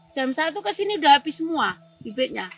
jam satu ke sini udah habis semua bibitnya